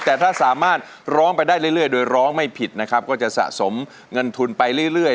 แต่ถ้าสามารถร้องไปได้เรื่อยโดยร้องไม่ผิดนะครับก็จะสะสมเงินทุนไปเรื่อย